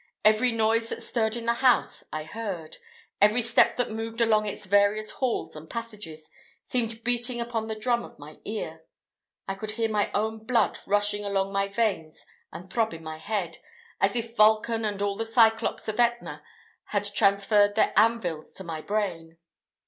Every noise that stirred in the house I heard; every step that moved along its various halls and passages seemed beating upon the drum of my ear: I could hear my own blood rush along my veins and throb in my head, as if Vulcan and all the Cyclops of Etna had transferred their anvils to my brain.